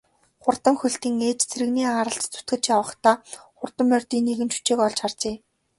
Хурдан хөлтийн ээж тэрэгний аралд зүтгэж явахдаа хурдан морьдын нэгэн жүчээг олж харжээ.